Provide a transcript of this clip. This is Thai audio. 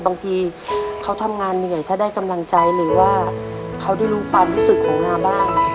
บางทีเขาทำงานเหนื่อยถ้าได้กำลังใจหรือว่าเขาได้รู้ความรู้สึกของนาบ้าง